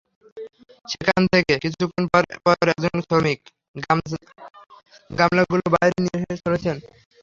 সেখান থেকে কিছুক্ষণ পরপর একজন শ্রমিক গামলাগুলো বাইরে নিয়ে এসে ঢালছেন।